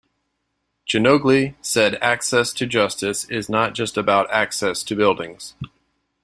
Djanogly said Access to justice is not just about access to buildings.